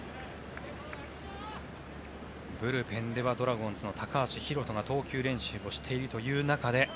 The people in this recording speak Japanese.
ブルペンではドラゴンズの高橋宏斗が投球練習をしている中で。